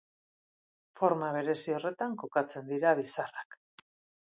Forma berezi horretan kokatzen dira bizarrak.